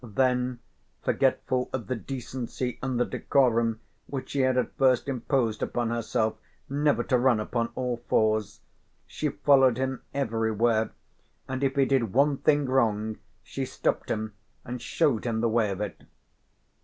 Then, forgetful of the decency and the decorum which she had at first imposed upon herself never to run upon all fours, she followed him everywhere, and if he did one thing wrong she stopped him and showed him the way of it.